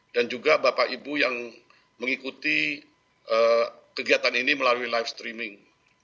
dan juga bapak ibu yang mengikuti kegiatan ini melalui live streaming